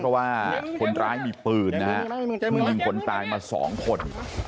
เพราะว่าคนร้ายมีปืนนะครับมีคนตายมาสองคน